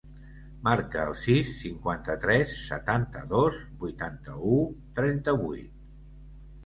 Marca el sis, cinquanta-tres, setanta-dos, vuitanta-u, trenta-vuit.